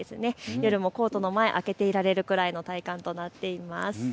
夜もコートの前を開けていられるぐらいの体感となっています。